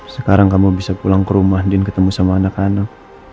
sekarang kamu bisa pulang ke rumah dan ketemu sama anak anak